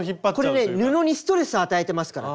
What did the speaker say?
これね布にストレスを与えてますから。